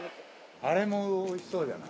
あれもおいしそうじゃない？